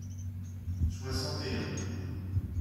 soixante et un.